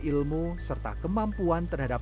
ilmu serta kemampuan terhadap